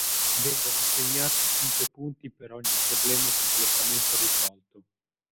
Vengono assegnati cinque punti per ogni problema completamente risolto.